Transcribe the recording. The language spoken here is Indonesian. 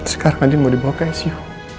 sekarang andi mau dibawa ke icu